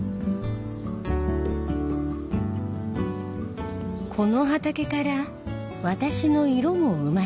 この畑から私の色も生まれている。